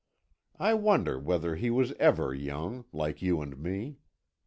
"I wonder whether he was ever young, like you and me.